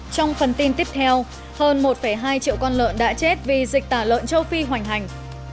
trong phần tin tiếp theo hơn một hai triệu con lợn đã chết vì dịch tả lợn châu phi hoành hành